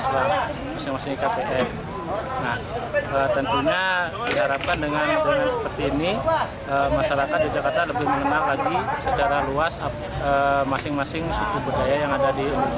nah tentunya diharapkan dengan seperti ini masyarakat di jakarta lebih mengenal lagi secara luas masing masing suku budaya yang ada di indonesia